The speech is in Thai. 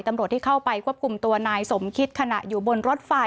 ตำรวจที่เข้าไปควบคุมตัวนายสมคิดขณะอยู่บนรถไฟ